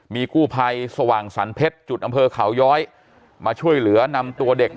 มีกู้ภัยสว่างสรรเพชรจุดอำเภอเขาย้อยมาช่วยเหลือนำตัวเด็ก